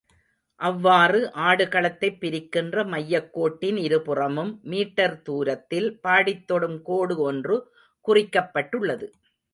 அவ்வாறு ஆடு களத்தைப் பிரிக்கின்ற மையக் கோட்டின் இருபுறமும் மீட்டர் தூரத்தில் பாடித் தொடும் கோடு ஒன்று குறிக்கப்பட்டுள்ளது.